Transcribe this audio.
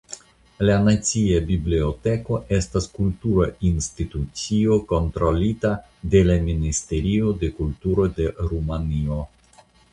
La Nacia Biblioteko estas kultura institucio kontrolita de la Ministerio de Kulturo de Rumanio.